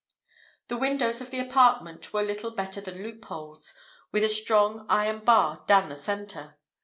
The windows of the apartment were little better than loopholes, with a strong iron bar down the centre.